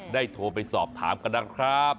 โทรไปสอบถามกันนะครับ